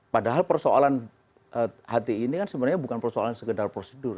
padahal persoalan hti ini kan sebenarnya bukan persoalan sekedar prosedur